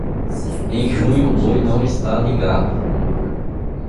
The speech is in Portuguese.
Em junho, o boi não está ligado.